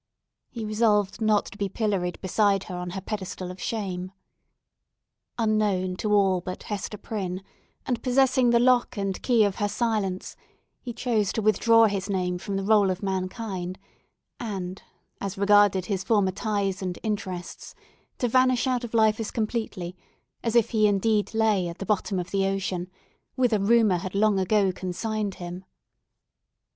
He resolved not to be pilloried beside her on her pedestal of shame. Unknown to all but Hester Prynne, and possessing the lock and key of her silence, he chose to withdraw his name from the roll of mankind, and, as regarded his former ties and interest, to vanish out of life as completely as if he indeed lay at the bottom of the ocean, whither rumour had long ago consigned him.